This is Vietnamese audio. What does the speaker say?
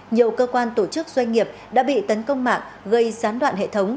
nhiều cơ quan tổ chức doanh nghiệp đã bị tấn công mạng gây gián đoạn hệ thống